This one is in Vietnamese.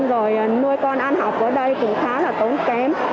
rồi nuôi con ăn học ở đây cũng khá là tốn kém